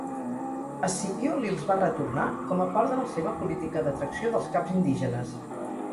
Escipió li'ls va retornar, com a part de la seva política d'atracció dels caps indígenes.